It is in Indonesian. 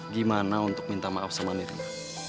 gimana untuk minta maaf sama nirina